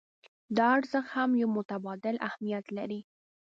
دا ارزښت هم يو متبادل اهميت لري.